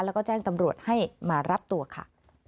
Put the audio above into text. แล้วก็แจ้งตำรวจให้มารับตัวค่ะ